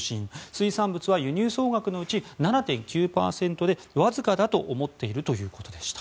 水産物は輸入総額のうち７．９％で、わずかだと思っているということでした。